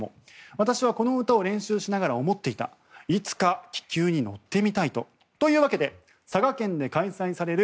私はこの歌を練習しながら思っていたいつか気球に乗ってみたいと。というわけで佐賀県で開催される